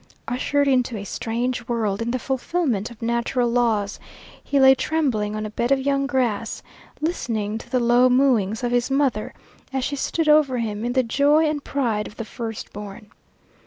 Ushered into a strange world in the fulfillment of natural laws, he lay trembling on a bed of young grass, listening to the low mooings of his mother as she stood over him in the joy and pride of the first born.